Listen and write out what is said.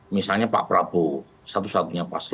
misalnya pak prabowo satu satunya pasti